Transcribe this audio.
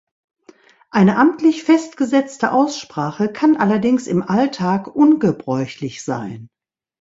Eine amtlich festgesetzte Aussprache kann allerdings im Alltag ungebräuchlich sein.